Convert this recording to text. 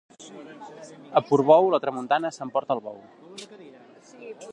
A Portbou, la tramuntana s'emporta el bou.